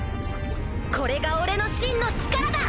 これが俺の真の力だ！